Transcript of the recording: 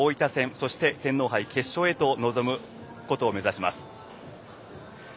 そして、天皇杯の決勝と臨むことを目指します。